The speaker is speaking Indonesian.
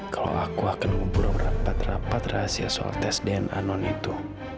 kalau aku akan ngumpul rapat rapat rahasia soal tes dna non itu